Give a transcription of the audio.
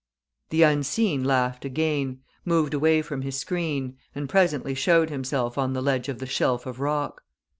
The unseen laughed again, moved away from his screen, and presently showed himself on the edge of the shelf of rock.